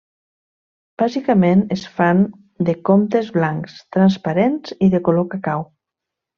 Bàsicament es fan de comptes blancs, transparents i de color cacau.